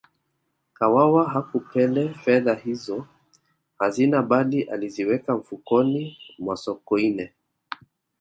kawawa hakupele fedha hizo hazina bali aliziweka mfukoni mwa sokoine